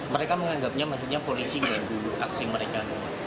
mereka menganggapnya maksudnya polisi yang dulu aksi mereka